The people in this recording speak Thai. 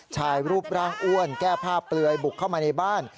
ชายรูปร่างอ้วนแก้ผ้าเปลือยบุกเข้ามาในบ้าน